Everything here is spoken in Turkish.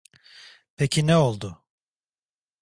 Peki ne oldu?